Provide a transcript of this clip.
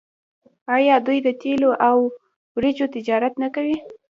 آیا دوی د تیلو او وریجو تجارت نه کوي؟